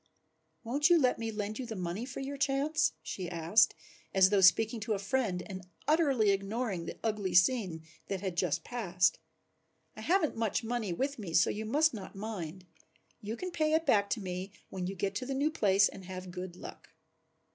"Won't you let me lend you the money for your chance?" she asked, as though speaking to a friend and utterly ignoring the ugly scene that had just passed. "I haven't much money with me, so you must not mind. You can pay it back to me when you get to the new place and have good luck."